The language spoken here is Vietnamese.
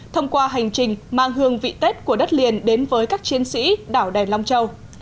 thông qua hành trình mang hương vị tết của đất liền đến với các chiến sĩ đảo đài loan châu